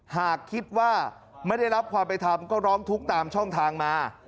หากคิดว่าไม่ได้รับความเป็นธรรมก็ร้องทุกข์ตามช่องทางมา